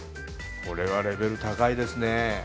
これはレベル高いですね。